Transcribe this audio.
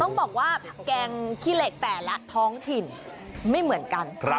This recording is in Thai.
ต้องบอกว่าแกงขี้เหล็กแต่ละท้องถิ่นไม่เหมือนกัน